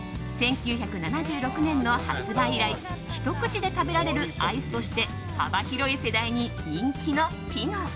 １９７６年の発売以来ひと口で食べられるアイスとして幅広い世代に人気のピノ。